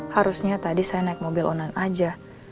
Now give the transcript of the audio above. harusnya tadi saya naik mobil online aja